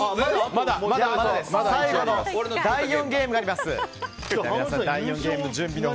まだ最後の第４ゲームがあります。